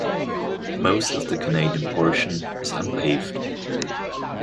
Most of the Canadian portion is unpaved.